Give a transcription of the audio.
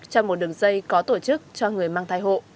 cho một đường dây có tổ chức cho người mang thai hộ